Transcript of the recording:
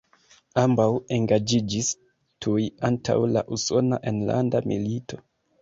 Ambaŭ engaĝiĝis tuj antaŭ la Usona Enlanda Milito.